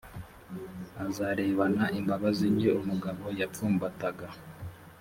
azarebana imbabazi nke umugabo yapfumbataga,